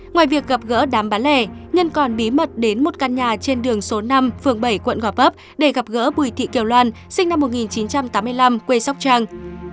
ngoài việc gặp gỡ đám bán lẻ nhân còn bí mật đến một căn nhà trên đường số năm phường bảy quận gò vấp để gặp gỡ bùi thị kiều loan sinh năm một nghìn chín trăm tám mươi năm quê sóc trăng